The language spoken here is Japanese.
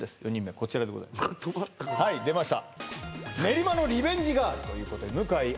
こちらでございますはい出ました